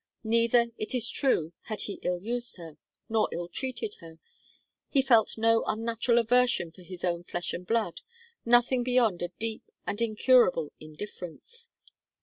Neither, it is true, had he ill used nor ill treated her; he felt no unnatural aversion for his own flesh and blood, nothing beyond a deep and incurable indifference.